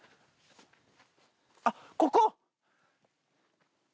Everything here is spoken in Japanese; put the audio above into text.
あっ、ここ？